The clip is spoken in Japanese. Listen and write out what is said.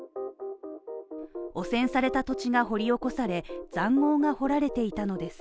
汚染された土地が掘り起こされざんごうが掘られていたのです。